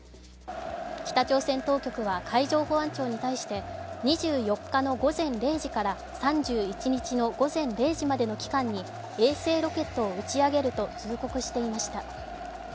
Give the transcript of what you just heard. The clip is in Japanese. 北朝鮮当局は海上保安庁に対して２４日の午前０時から３１日の午前０時までの期間に衛星ロケットを打ち上げると通告していました